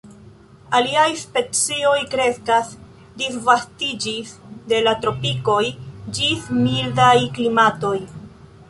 Aliaj specioj kreskas, disvastiĝis de la tropikoj ĝis mildaj klimatoj.